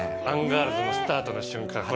アンガールズのスタートの瞬間。